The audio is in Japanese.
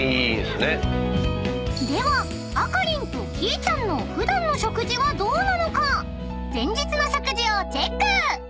［ではあかりんときいちゃんの普段の食事はどうなのか前日の食事をチェック］